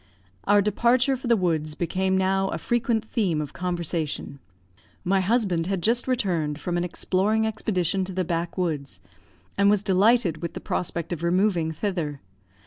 Our departure for the woods became now a frequent theme of conversation. My husband had just returned from an exploring expedition to the backwoods, and was delighted with the prospect of removing thither.